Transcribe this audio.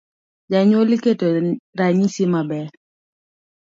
Jonyuol keto ranyisi maber.